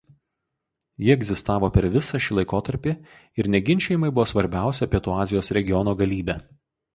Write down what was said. Ji egzistavo per visą šį laikotarpį ir neginčijamai buvo svarbiausia Pietų Azijos regiono galybė.